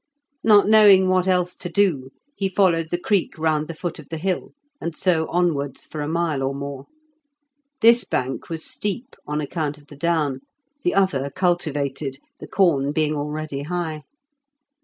Not knowing what else to do, he followed the creek round the foot of the hill, and so onwards for a mile or more. This bank was steep, on account of the down; the other cultivated, the corn being already high.